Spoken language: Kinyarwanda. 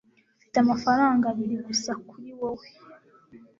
Mfite amafaranga abiri gusa kuri wewe